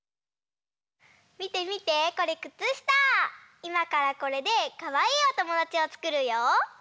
いまからこれでかわいいおともだちをつくるよ！